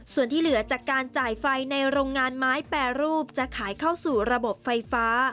ส่วนที่เหลือจากการจ่ายไฟในโรงงานไม้แปรรูปจะขายเข้าสู่ระบบไฟฟ้า